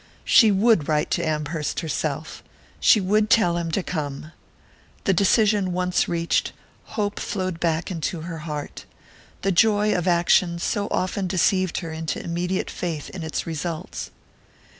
She would write to Amherst herself she would tell him to come. The decision once reached, hope flowed back to her heart the joy of action so often deceived her into immediate faith in its results!